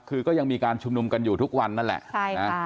คือก็ยังมีการชุมนุมกันอยู่ทุกวันนั่นแหละ